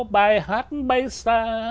bài hát bay xa